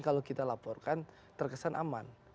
kalau kita laporkan terkesan aman